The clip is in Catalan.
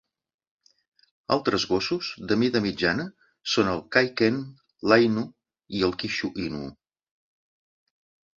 Altres gossos de mida mitjana són el Kai Ken, l'Ainu i el Kishu Inu.